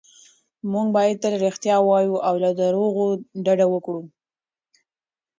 موږ باید تل رښتیا ووایو او له درواغو ډډه وکړو.